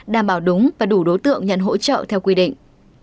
đảm bảo đúng và đủ đối tượng nhận hỗ trợ theo quy định